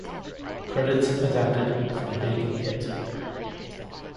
Credits adapted from Big Hit.